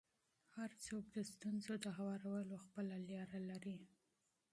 هر څوک د ستونزو د هوارولو خپله لاره لري.